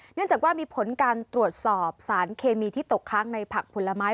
เนื่องจากว่ามีผลการตรวจสอบสารเคมีที่ตกค้างในผักผลไม้